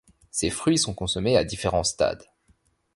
Ses fruits, sont consommés à différents stades.